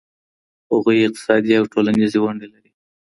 هغوی اقتصادي او ټولنیزې ونډې لري.